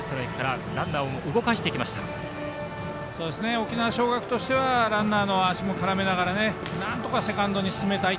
沖縄尚学としてはランナーの足も絡めながらなんとかセカンドに進めたい。